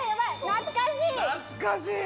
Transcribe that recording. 懐かしい！